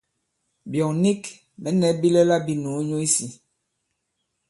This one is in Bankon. Byɔ̂ŋ nik mɛ̌ nɛ̄ bilɛla bī nùu nyu isī.